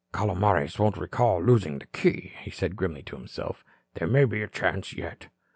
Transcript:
"Calomares won't recall losing the key," he said grimly to himself. "There may be a chance yet."